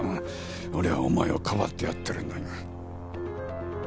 俺はお前をかばってやってるのに。